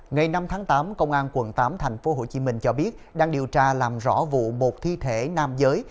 ngày năm tháng tám công an quận tám tp hcm cho biết đang điều tra làm rõ vụ một thi thể nam giới